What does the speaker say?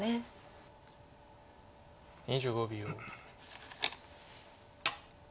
２５秒。